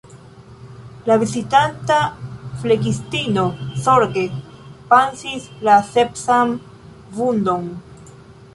La vizitanta flegistino zorge pansis la sepsan vundon.